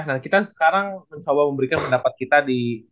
nah kita sekarang mencoba memberikan pendapat kita di